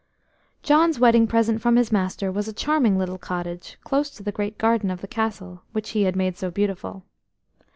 OHN'S wedding present from his master was a charming little cottage, close to the great garden of the Castle, which he had made so beautiful.